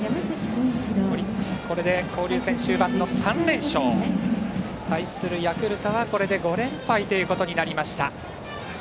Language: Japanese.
オリックス、これで交流戦終盤の３連勝。対するヤクルトはこれで５連敗となりました。